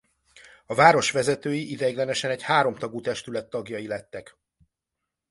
A város vezetői ideiglenesen egy háromtagú testület tagjai lettek.